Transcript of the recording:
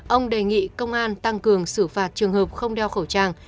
ông đề nghị công an tăng cường xử phạt trường hợp không đeo khẩu trang